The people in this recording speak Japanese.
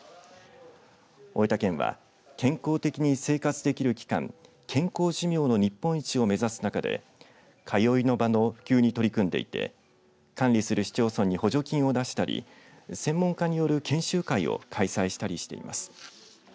大分県は健康的に生活できる期間健康寿命の日本一を目指す中で通いの場の普及に取り組んでいて管理する市町村に補助金を出したり専門家による研修会を開催したりしています。